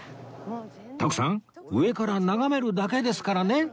徳さん上から眺めるだけですからね